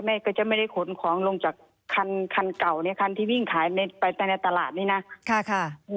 ในรายการถามตรงกับคุณจอมขวัญเอาไว้ว่ายังไงบ้างนะคะ